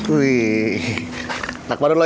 wuih takut baru lo ya